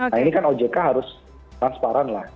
nah ini kan ojk harus transparan lah